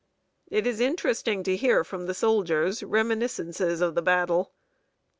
It is interesting to hear from the soldiers reminiscences of the battle.